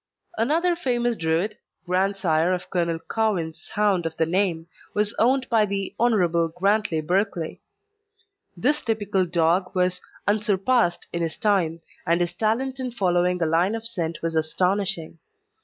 Another famous Druid grandsire of Colonel Cowen's hound of the name was owned by the Hon. Grantley Berkeley. This typical dog was unsurpassed in his time, and his talent in following a line of scent was astonishing.